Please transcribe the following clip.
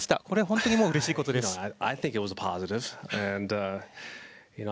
これは本当にうれしいことです。